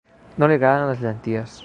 No li agraden les llenties.